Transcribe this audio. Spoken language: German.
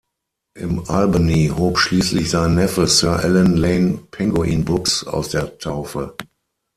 Im Albany hob schließlich sein Neffe Sir Allen Lane "Penguin Books" aus der Taufe.